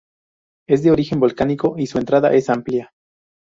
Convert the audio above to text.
Es de origen volcánico y su entrada es amplia.